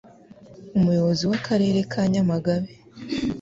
Umuyobozi w'Akarere ka Nyamagabe